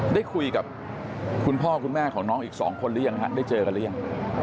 ได้คุยกับคุณพ่อคุณแม่ของน้องอีก๒คนหรือยังฮะได้เจอกันหรือยัง